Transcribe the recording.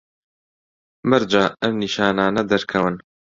مەرجە ئەم نیشانانە دەرکەون